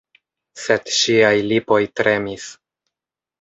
Sed ŝiaj lipoj tremis.